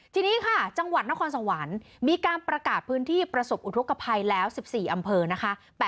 ทีนี้ค่ะจังหวัดนครสวรรค์มีการประกาศพื้นที่ประสบอุทธกภัยแล้ว๑๔อำเภอนะคะ